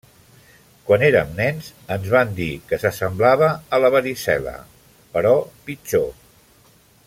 Quan érem nens, ens van dir que s'assemblava a la varicel·la, però pitjor.